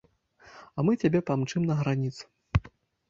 Мы цябе памчым на граніцу.